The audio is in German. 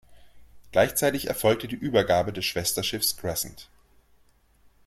Gleichzeitig erfolgte die Übergabe des Schwesterschiffes "Crescent".